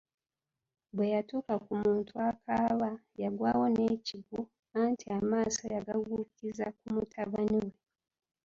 Bwe yatuuka ku muntu akaaba yagwawo nekigwo anti amaaso yagaggukkiza ku mutabani we.